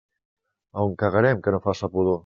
A on cagarem que no faça pudor?